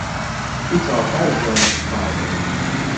او تا آخر ژوئن خواهد ماند.